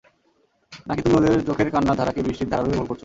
নাকি তুমি ওদের চোখের কান্নার ধারাকে বৃষ্টির ধারা ভেবে ভুল করছ?